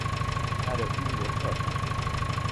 Det här är oerhört viktigt.